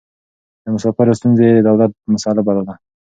د مسافرو ستونزې يې د دولت مسئله بلله.